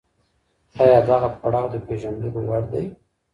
آيا دغه پړاو د پېژندلو وړ دی؟